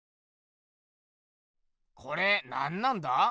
これなんなんだ？